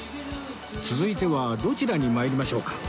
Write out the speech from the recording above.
続いてはどちらに参りましょうか？